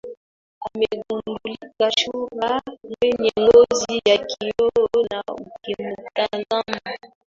amegundulika chura mwenye ngozi ya kioo na ukimtazama